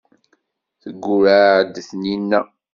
Teggurreɛ-d Taninna.